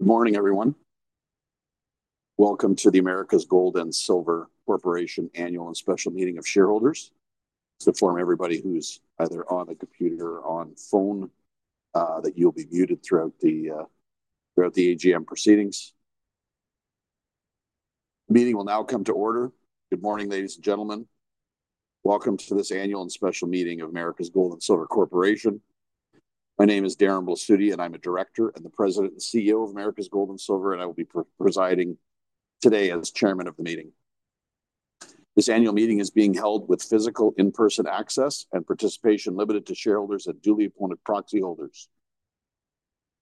Good morning, everyone. Welcome to the Americas Gold and Silver Corporation Annual and Special Meeting of Shareholders. To inform everybody who's either on the computer or on phone, that you'll be muted throughout the, throughout the AGM proceedings. The meeting will now come to order. Good morning, ladies and gentlemen. Welcome to this annual and special meeting of Americas Gold and Silver Corporation. My name is Darren Blasutti, and I'm a director, and the President and CEO of Americas Gold and Silver, and I will be presiding today as chairman of the meeting. This annual meeting is being held with physical in-person access and participation limited to shareholders and duly appointed proxy holders.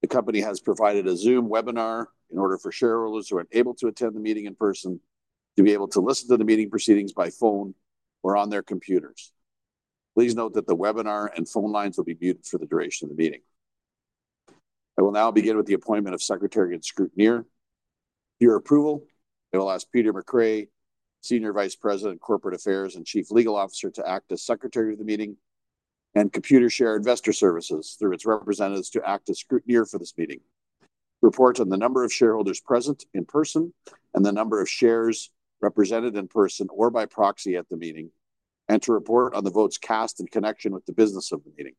The company has provided a Zoom webinar in order for shareholders who aren't able to attend the meeting in person to be able to listen to the meeting proceedings by phone or on their computers. Please note that the webinar and phone lines will be muted for the duration of the meeting. I will now begin with the appointment of Secretary and Scrutineer. With your approval, I will ask Peter McRae, Senior Vice President of Corporate Affairs and Chief Legal Officer, to act as Secretary of the meeting, and Computershare Investor Services, through its representatives, to act as scrutineer for this meeting, report on the number of shareholders present in person, and the number of shares represented in person or by proxy at the meeting, and to report on the votes cast in connection with the business of the meeting.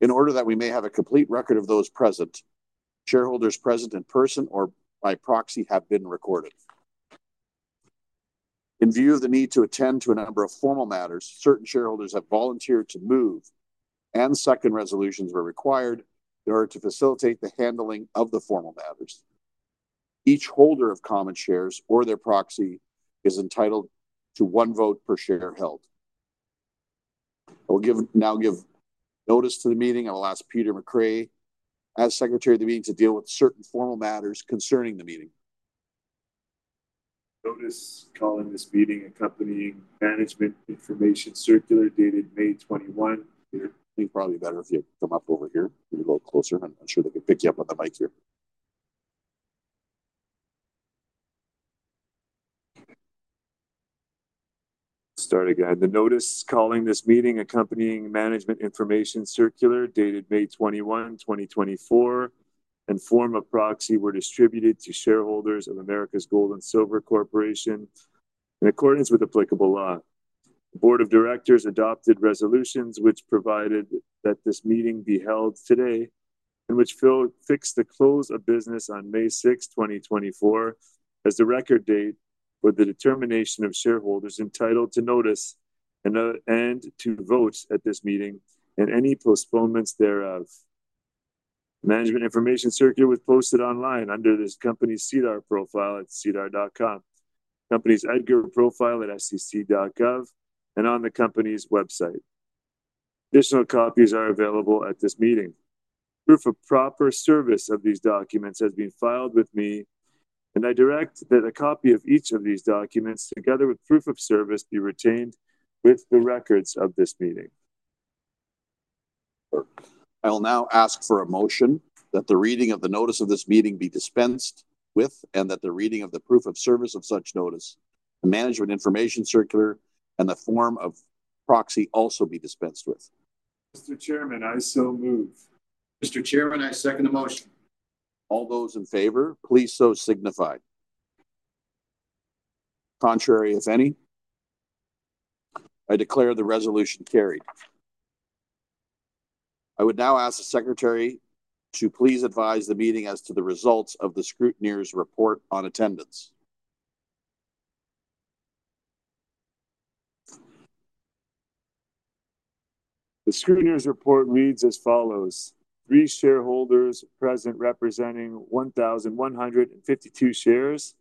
In order that we may have a complete record of those present, shareholders present in person or by proxy have been recorded. In view of the need to attend to a number of formal matters, certain shareholders have volunteered to move, and second resolutions were required in order to facilitate the handling of the formal matters. Each holder of common shares or their proxy is entitled to one vote per share held. I will now give notice to the meeting. I will ask Peter McRae, as Secretary of the meeting, to deal with certain formal matters concerning the meeting. Notice calling this meeting accompanying Management Information Circular, dated May 21. I think probably better if you come up over here, maybe a little closer. I'm not sure they can pick you up on the mic here. Start again. The notice calling this meeting, accompanying Management Information Circular, dated May 21, 2024, and form of proxy were distributed to shareholders of Americas Gold and Silver Corporation in accordance with applicable law. The board of directors adopted resolutions which provided that this meeting be held today, and which fixed the close of business on May 6, 2024, as the record date for the determination of shareholders entitled to notice, and to vote at this meeting, and any postponements thereof. Management Information Circular was posted online under this company's SEDAR profile at sedar.com, company's EDGAR profile at sec.gov, and on the company's website. Additional copies are available at this meeting. Proof of proper service of these documents has been filed with me, and I direct that a copy of each of these documents, together with proof of service, be retained with the records of this meeting. I will now ask for a motion that the reading of the notice of this meeting be dispensed with, and that the reading of the proof of service of such notice, the Management Information Circular, and the form of proxy also be dispensed with. Mr. Chairman, I so move. Mr. Chairman, I second the motion. All those in favor, please so signify. Contrary, if any? I declare the resolution carried. I would now ask the Secretary to please advise the meeting as to the results of the Scrutineer's report on attendance. The Scrutineer's report reads as follows: 3 shareholders present, representing 1,152 shares,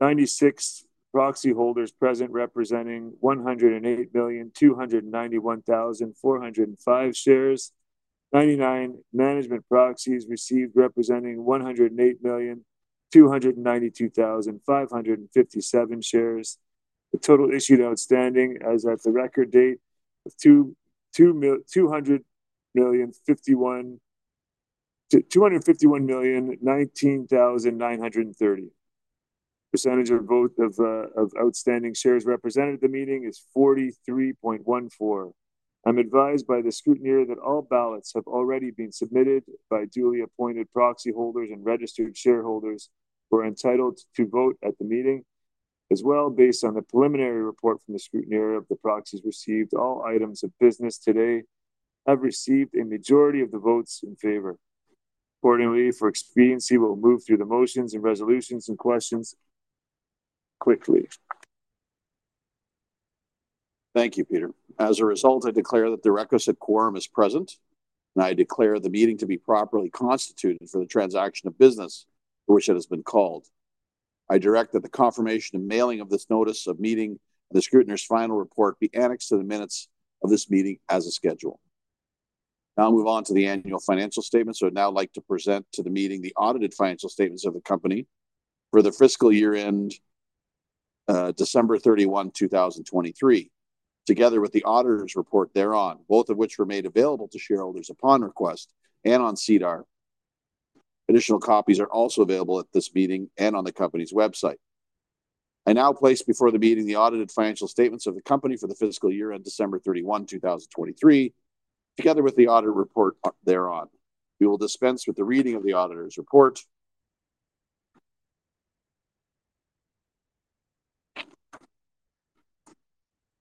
96 proxy holders present, representing 108,291,405 shares, 99 management proxies received, representing 108,292,557 shares. The total issued outstanding as at the record date of 251,019,930. Percentage of vote of of outstanding shares represented at the meeting is 43.14%. I'm advised by the scrutineer that all ballots have already been submitted by duly appointed proxy holders and registered shareholders who are entitled to vote at the meeting. As well, based on the preliminary report from the scrutineer of the proxies received, all items of business today have received a majority of the votes in favor. Accordingly, for expediency, we'll move through the motions, and resolutions, and questions quickly. Thank you, Peter. As a result, I declare that the requisite quorum is present, and I declare the meeting to be properly constituted for the transaction of business for which it has been called. I direct that the confirmation and mailing of this notice of meeting, the scrutineer's final report, be annexed to the minutes of this meeting as a schedule. Now, I'll move on to the annual financial statement. So I'd now like to present to the meeting the audited financial statements of the company for the fiscal year end, December 31, 2023, together with the auditor's report thereon, both of which were made available to shareholders upon request and on SEDAR. Additional copies are also available at this meeting and on the company's website. I now place before the meeting the audited financial statements of the company for the fiscal year-end December 31, 2023, together with the auditor's report thereon. We will dispense with the reading of the auditor's report.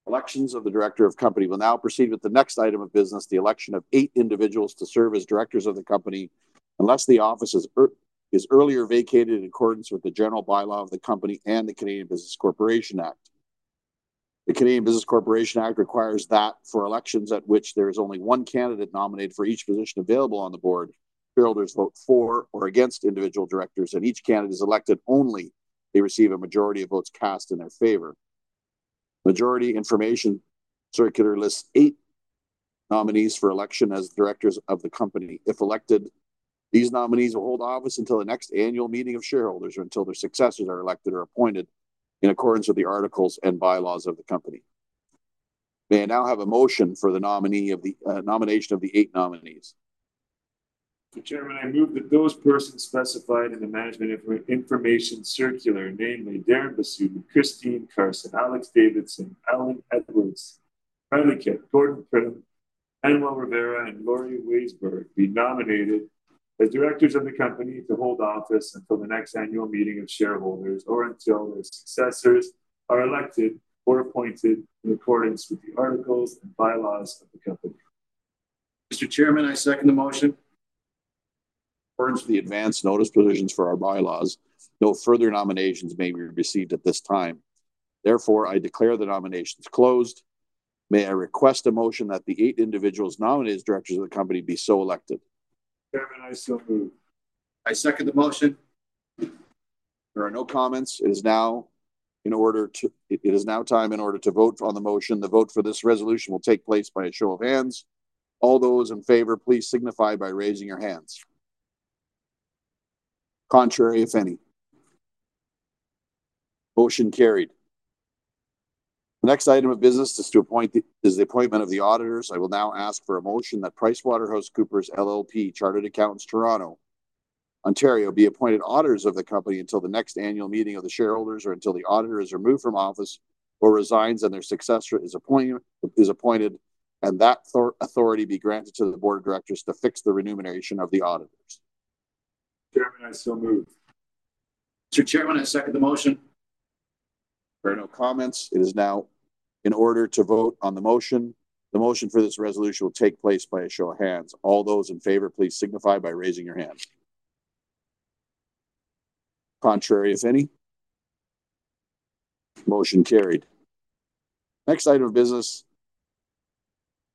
Election of the directors of the company. We'll now proceed with the next item of business, the election of eight individuals to serve as directors of the company, unless the office is earlier vacated in accordance with the general bylaw of the company and the Canadian Business Corporations Act. The Canadian Business Corporations Act requires that for elections at which there is only one candidate nominated for each position available on the board, shareholders vote for or against individual directors, and each candidate is elected only if they receive a majority of votes cast in their favor. Majority Information Circular lists eight nominees for election as directors of the company. If elected, these nominees will hold office until the next annual meeting of shareholders or until their successors are elected or appointed in accordance with the articles and bylaws of the company. May I now have a motion for the nominee of the, nomination of the eight nominees? Mr. Chairman, I move that those persons specified in the Management Information Circular, namely, Darren Blasutti, Christine Carson, Alex Davidson, Alan Edwards, Bradley Kipp, Gordon Pridham, Manuel Rivera, and Lorie Waisberg, be nominated as directors of the company to hold office until the next annual meeting of shareholders, or until their successors are elected or appointed in accordance with the articles and bylaws of the company. Mr. Chairman, I second the motion. According to the advance notice provisions for our bylaws, no further nominations may be received at this time. Therefore, I declare the nominations closed. May I request a motion that the eight individuals nominated as directors of the company be so elected? Chairman, I so move. I second the motion. There are no comments. It is now time to vote on the motion. The vote for this resolution will take place by a show of hands. All those in favor, please signify by raising your hands. Contrary, if any. Motion carried. The next item of business is the appointment of the auditors. I will now ask for a motion that PricewaterhouseCoopers LLP, Chartered Accountants, Toronto, Ontario, be appointed auditors of the company until the next annual meeting of the shareholders, or until the auditor is removed from office or resigns and their successor is appointed, and that authority be granted to the board of directors to fix the remuneration of the auditors. Chairman, I so move. Mr. Chairman, I second the motion. There are no comments. It is now in order to vote on the motion. The motion for this resolution will take place by a show of hands. All those in favor, please signify by raising your hands. Contrary, if any. Motion carried. Next item of business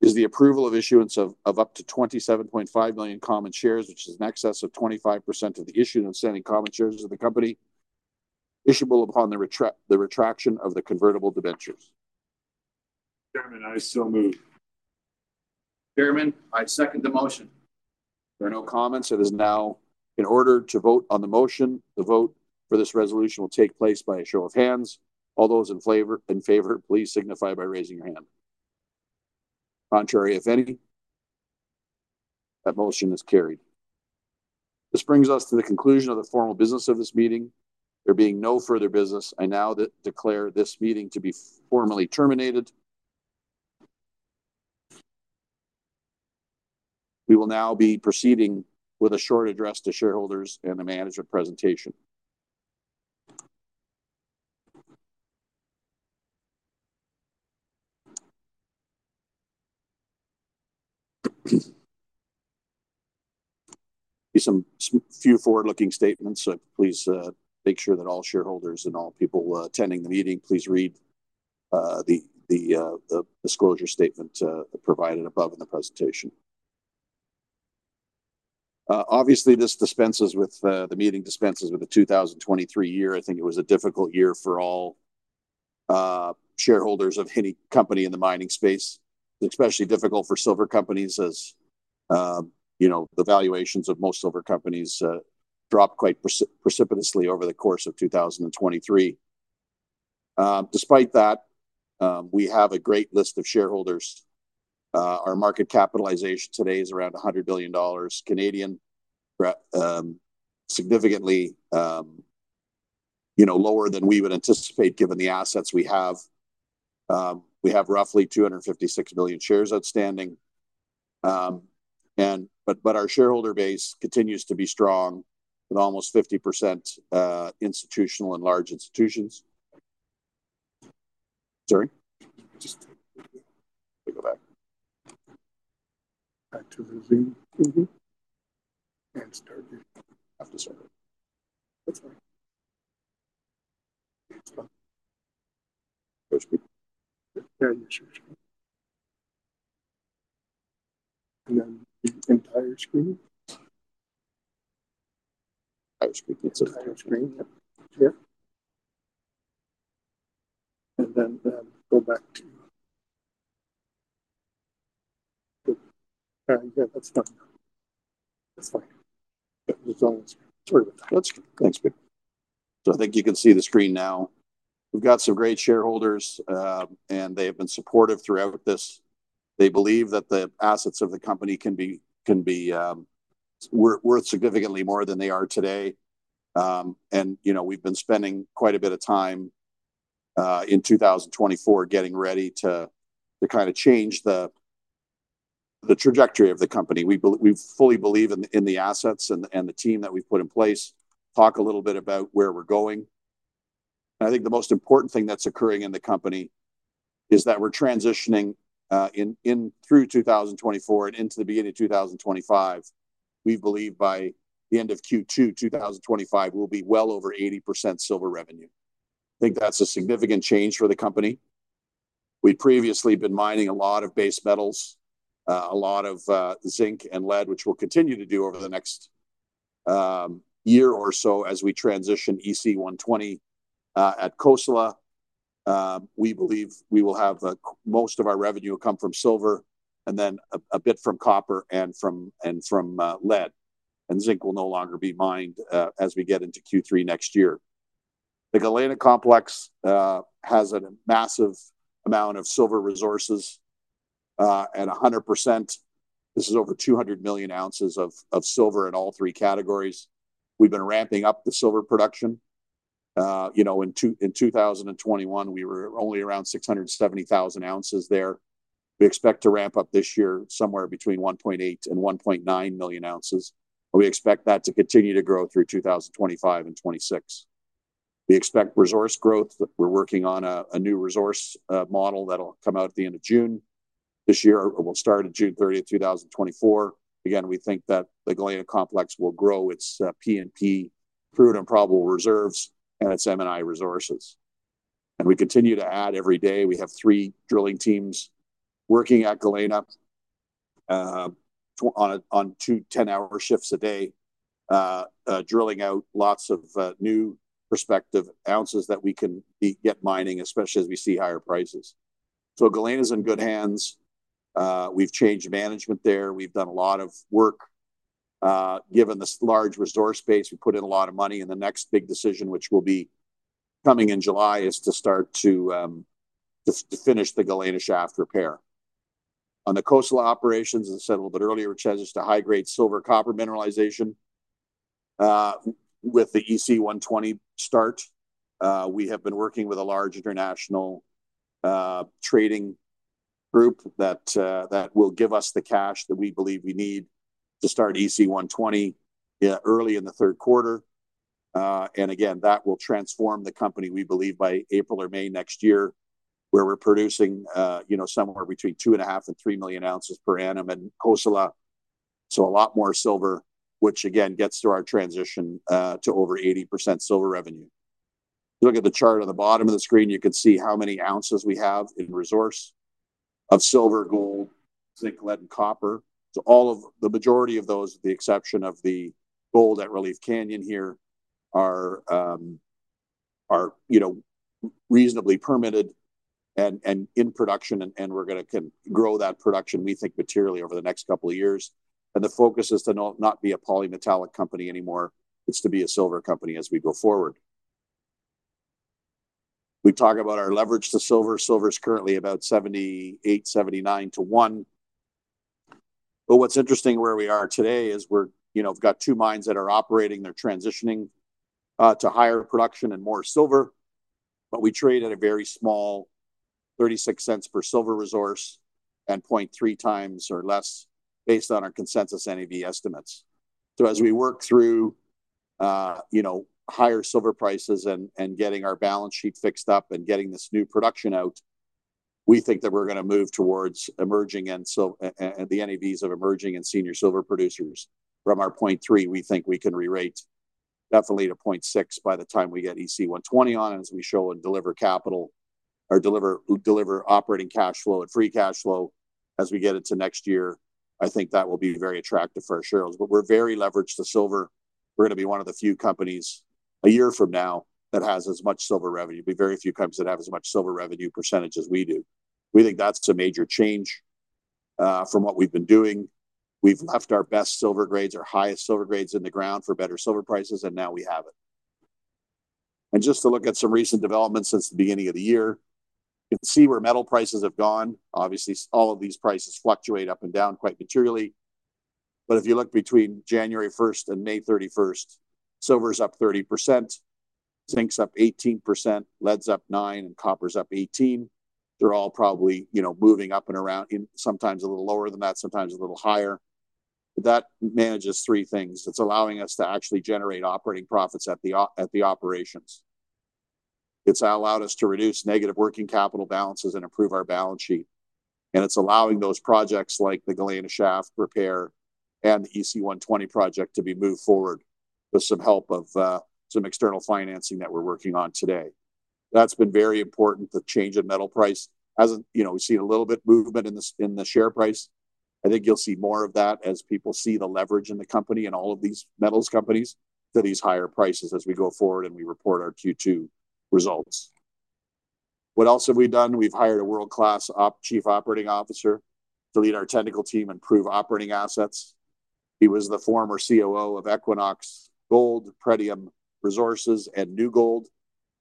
is the approval of issuance of up to 27.5 million common shares, which is in excess of 25% of the issued and outstanding common shares of the company, issuable upon the retraction of the convertible debentures. Chairman, I so move. Chairman, I second the motion. There are no comments. It is now in order to vote on the motion. The vote for this resolution will take place by a show of hands. All those in favor, in favor, please signify by raising your hand. Contrary, if any. That motion is carried. This brings us to the conclusion of the formal business of this meeting. There being no further business, I now declare this meeting to be formally terminated. We will now be proceeding with a short address to shareholders and a management presentation. There're some few forward-looking statements, so please make sure that all shareholders and all people attending the meeting please read the disclosure statement provided above in the presentation. Obviously, this dispenses with, the meeting dispenses with the 2023 year. I think it was a difficult year for all, shareholders of any company in the mining space, especially difficult for silver companies, as, you know, the valuations of most silver companies, dropped quite precipitously over the course of 2023. Despite that, we have a great list of shareholders. Our market capitalization today is around 100 billion Canadian dollars, right, significantly, you know, lower than we would anticipate, given the assets we have. We have roughly 256 billion shares outstanding, but our shareholder base continues to be strong, with almost 50%, institutional and large institutions. Sorry, just go back. Back to the beginning and start again. After sorry. That's fine. That's fine. Trust me. Yeah, sure. And then the entire screen. I was thinking it's entire screen. Yeah. Yeah. And then, go back to, yeah, that's fine. That's fine. It's all sort of. Thanks, mate. So I think you can see the screen now. We've got some great shareholders, and they have been supportive throughout this. They believe that the assets of the company can be worth significantly more than they are today. And, you know, we've been spending quite a bit of time in 2024 getting ready to kinda change the trajectory of the company. We fully believe in the assets and the team that we've put in place. Talk a little bit about where we're going. I think the most important thing that's occurring in the company is that we're transitioning in through 2024 and into the beginning of 2025. We believe by the end of Q2 2025, we'll be well over 80% silver revenue. I think that's a significant change for the company. We'd previously been mining a lot of base metals, a lot of zinc and lead, which we'll continue to do over the next year or so as we transition EC120 at Cosalá. We believe we will have most of our revenue will come from silver, and then a bit from copper, and from lead, and zinc will no longer be mined as we get into Q3 next year. The Galena Complex has a massive amount of silver resources, and 100%, this is over 200 million oz of silver in all three categories. We've been ramping up the silver production. You know, in 2021, we were only around 670,000 oz there. We expect to ramp up this year somewhere between 1.8 million oz and 1.9 million oz, and we expect that to continue to grow through 2025 and 2026. We expect resource growth. We're working on a new resource model that'll come out at the end of June this year or will start at June 30, 2024. Again, we think that the Galena Complex will grow its P&P, proved and probable reserves, and its M&I resources, and we continue to add every day. We have three drilling teams working at Galena, on two 10-hour shifts a day, drilling out lots of new prospective ounces that we can get mining, especially as we see higher prices. So Galena's in good hands. We've changed management there. We've done a lot of work. Given this large resource base, we put in a lot of money, and the next big decision, which will be coming in July, is to start to finish the Galena Shaft repair. On the Cosalá operations, as I said a little bit earlier, which has just a high-grade silver, copper mineralization. With the EC120 start, we have been working with a large international trading group that will give us the cash that we believe we need to start EC120, yeah, early in the third quarter. And again, that will transform the company, we believe, by April or May next year, where we're producing, you know, somewhere between 2.5 million oz and 3 million oz per annum at Cosalá. So a lot more silver, which again, gets to our transition, to over 80% silver revenue. If you look at the chart on the bottom of the screen, you can see how many ounces we have in resource of silver, gold, zinc, lead, and copper. So all of the majority of those, with the exception of the gold at Relief Canyon here, are, you know, reasonably permitted and in production, and we're gonna grow that production, we think, materially over the next couple of years, and the focus is to not be a polymetallic company anymore. It's to be a silver company as we go forward. We talk about our leverage to silver. Silver is currently about 78, 79 to 1. But what's interesting where we are today is we're, you know, we've got two mines that are operating. They're transitioning to higher production and more silver, but we trade at a very small $0.36 per silver resource and 0.3x or less based on our consensus NAV estimates. So as we work through, you know, higher silver prices and getting our balance sheet fixed up and getting this new production out, we think that we're gonna move towards emerging, and so, and the NAVs of emerging and senior silver producers. From our 0.3x, we think we can rerate definitely to 0.6x by the time we get EC120 on, and as we show and deliver capital, or deliver operating cash flow and free cash flow as we get into next year, I think that will be very attractive for our shareholders. But we're very leveraged to silver. We're gonna be one of the few companies a year from now that has as much silver revenue. There'll be very few companies that have as much silver revenue percentage as we do. We think that's a major change from what we've been doing. We've left our best silver grades, our highest silver grades in the ground for better silver prices, and now we have it. Just to look at some recent developments since the beginning of the year, you can see where metal prices have gone. Obviously, all of these prices fluctuate up and down quite materially, but if you look between January 1st and May 31st, silver is up 30%, zinc's up 18%, lead's up 9%, and copper's up 18%. They're all probably, you know, moving up and around, and sometimes a little lower than that, sometimes a little higher. That manages three things. It's allowing us to actually generate operating profits at the operations. It's allowed us to reduce negative working capital balances and improve our balance sheet, and it's allowing those projects, like the Galena Shaft repair and the EC120 project, to be moved forward with some help of some external financing that we're working on today. That's been very important, the change in metal price. As you know, we've seen a little bit movement in the share price. I think you'll see more of that as people see the leverage in the company and all of these metals companies to these higher prices as we go forward and we report our Q2 results. What else have we done? We've hired a world-class Chief Operating Officer to lead our technical team and prove operating assets. He was the former COO of Equinox Gold, Pretium Resources, and New Gold.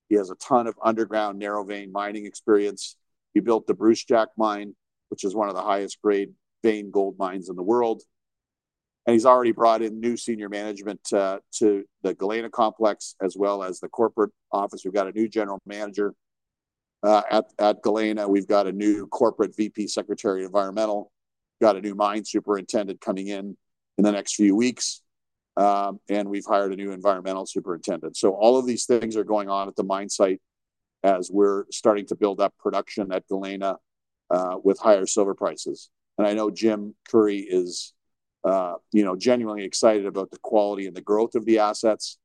He has a ton of underground narrow vein mining experience. He built the Brucejack Mine, which is one of the highest grade vein gold mines in the world, and he's already brought in new senior management to the Galena Complex as well as the corporate office. We've got a new general manager at Galena. We've got a new corporate VP, secretary of environmental, got a new mine superintendent coming in in the next few weeks, and we've hired a new environmental superintendent. So all of these things are going on at the mine site as we're starting to build up production at Galena, with higher silver prices. And I know Jim Currie is, you know, genuinely excited about the quality and the growth of the assets.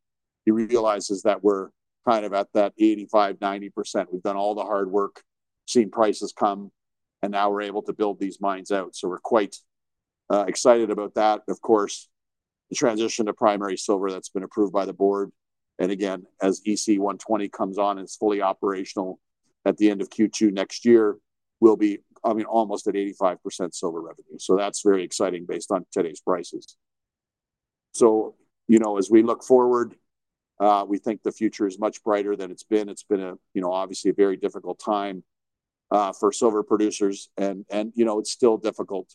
He realizes that we're kind of at that 85%-90%. We've done all the hard work, seen prices come, and now we're able to build these mines out. So we're quite excited about that. Of course, the transition to primary silver, that's been approved by the board, and again, as EC120 comes on and is fully operational at the end of Q2 next year, we'll be, I mean, almost at 85% silver revenue. So that's very exciting based on today's prices. So, you know, as we look forward, we think the future is much brighter than it's been. It's been a, you know, obviously, a very difficult time for silver producers and, you know, it's still difficult.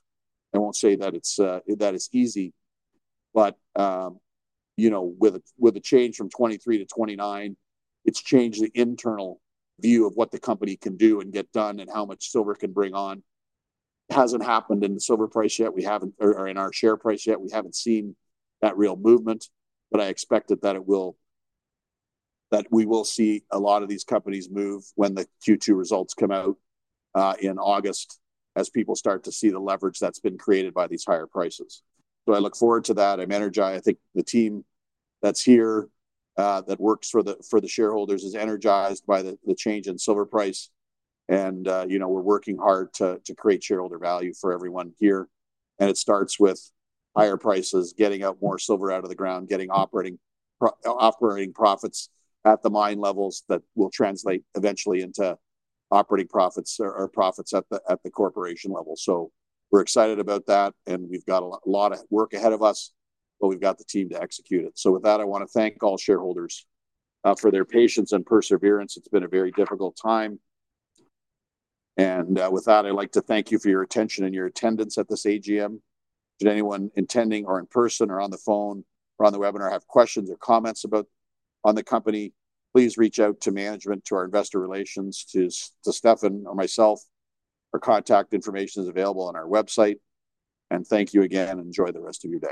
I won't say that it's that it's easy but, you know, with a change from 23 to 29, it's changed the internal view of what the company can do and get done and how much silver it can bring on. It hasn't happened in the silver price yet, we haven't or in our share price yet. We haven't seen that real movement, but I expected that we will see a lot of these companies move when the Q2 results come out in August, as people start to see the leverage that's been created by these higher prices. So I look forward to that. I'm energized. I think the team that's here that works for the shareholders is energized by the change in silver price and, you know, we're working hard to create shareholder value for everyone here. And it starts with higher prices, getting out more silver out of the ground, getting operating profits at the mine levels. That will translate eventually into operating profits or profits at the corporation level. So we're excited about that, and we've got a lot of work ahead of us, but we've got the team to execute it. So with that, I want to thank all shareholders for their patience and perseverance. It's been a very difficult time, and with that, I'd like to thank you for your attention and your attendance at this AGM. Should anyone intending, or in person, or on the phone, or on the webinar, have questions or comments about, on the company, please reach out to management, to our investor relations, to Stefan or myself. Our contact information is available on our website. And thank you again, and enjoy the rest of your day.